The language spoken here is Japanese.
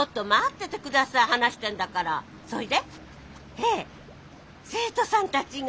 へえ生徒さんたちが？